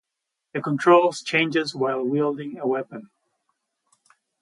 The controls changes while wielding a weapon.